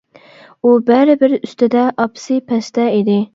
ئۇ بەرىبىر ئۈستىدە، ئاپىسى پەستە ئىدى.